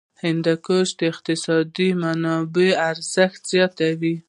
هندوکش د اقتصادي منابعو ارزښت زیاتوي.